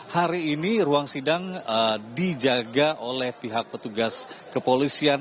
hari ini ruang sidang dijaga oleh pihak petugas kepolisian